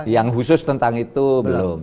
yang khusus tentang itu belum